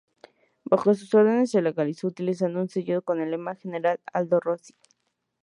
Bajo sus órdenes se legalizó utilizando un sello con el lema "General Aldo Rossi.